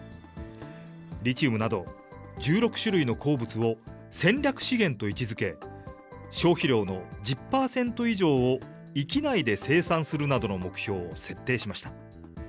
リチウムなど１６種類の鉱物を戦略資源と位置づけ、消費量の１０％以上を域内で生産するなどの目標を設定しました。